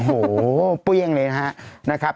โอ้โหเปรี้ยงเลยนะครับ